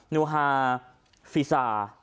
นูฮาฟีซา